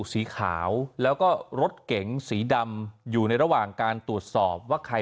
สีขาวแล้วก็รถเก๋งสีดำอยู่ในระหว่างการตรวจสอบว่าใคร